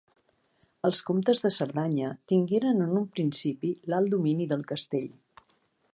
Els comtes de Cerdanya tingueren en un principi l'alt domini del castell.